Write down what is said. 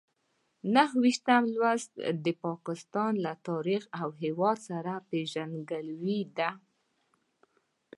نهه ویشتم لوست د پاکستان له تاریخ او هېواد سره پېژندګلوي ده.